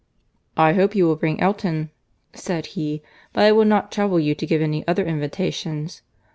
"I hope you will bring Elton," said he: "but I will not trouble you to give any other invitations."